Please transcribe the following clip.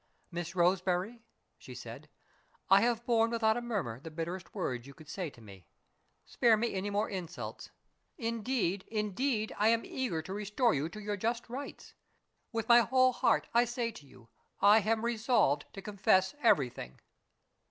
"Miss Roseberry," she said, "I have borne without a murmur the bitterest words you could say to me. Spare me any more insults. Indeed, indeed, I am eager to restore you to your just rights. With my whole heart I say it to you I am resolved to confess everything!"